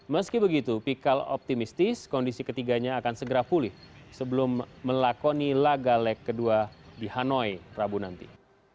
meski begitu pikal optimistis kondisi ketiganya akan segera pulih sebelum melakoni laga leg kedua di hanoi rabu nanti